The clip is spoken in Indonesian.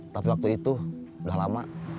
tapi waktu itu udah lama